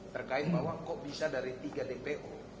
terkait bahwa kok bisa dari tiga dpo